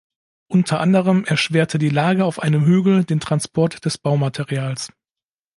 Unter anderem erschwerte die Lage auf einem Hügel den Transport des Baumaterials.